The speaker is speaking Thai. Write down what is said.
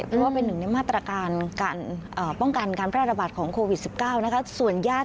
เพราะว่าเป็นหนึ่งในมาตรการการป้องกันการแพร่ระบาดของโควิด๑๙นะคะ